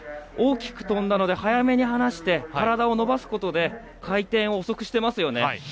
大きく飛んだので、早めに離して体を伸ばすことで回転を遅くしてますよね。